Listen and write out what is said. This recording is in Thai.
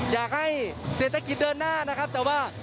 อยากให้เศรษฐกิจเดินหน้านะครับแต่ว่า